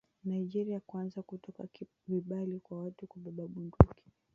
Nigeria kuanza kutoa vibali kwa watu kubeba bunduki.